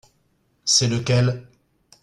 C'est lequel ?